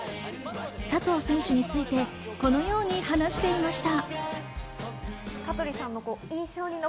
佐藤選手についてこのように話していました。